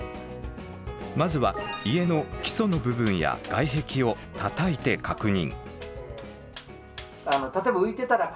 まずは家の基礎の部分や外壁をたたいて確認。